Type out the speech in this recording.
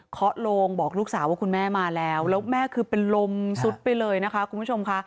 โลงบอกลูกสาวว่าคุณแม่มาแล้วแล้วแม่คือเป็นลมสุดไปเลยนะคะคุณผู้ชมค่ะ